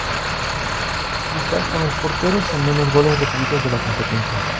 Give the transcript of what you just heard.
Lista con los porteros con menos goles recibidos de la competencia.